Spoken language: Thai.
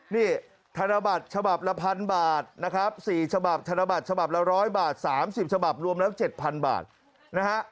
นี่ธนบัตรฉบับละ๑๐๐บาทนะครับ๔ฉบับธนบัตรฉบับละ๑๐๐บาท๓๐ฉบับรวมแล้ว๗๐๐บาทนะฮะ